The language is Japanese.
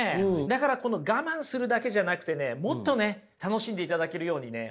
だから我慢するだけじゃなくてねもっと楽しんでいただけるようにね